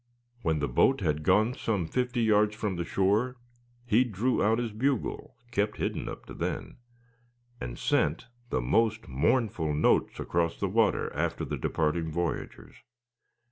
When the boat had gone some fifty yards from the shore he drew out his bugle, kept hidden up to then, and sent the most mournful notes across the water after the departing voyagers.